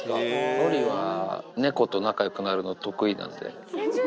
のりは猫と仲よくなるの得意なんで。